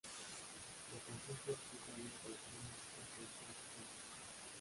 La canción fue escrita en letra y música por Jorge Serrano.